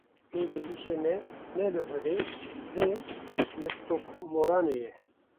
Êdî îşê me ne li hire lê li Stokmoranê ye.